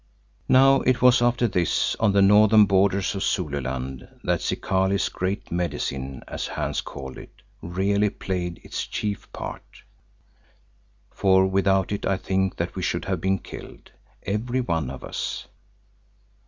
Now it was after this, on the northern borders of Zululand, that Zikali's Great Medicine, as Hans called it, really played its chief part, for without it I think that we should have been killed, every one of us.